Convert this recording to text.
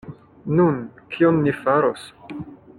Nun, kion ni faros?